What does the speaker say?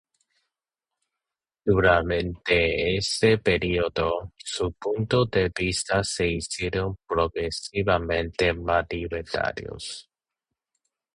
Durante este período, sus puntos de vista se hicieron progresivamente más libertarios.